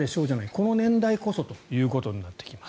この年代こそということになってきます。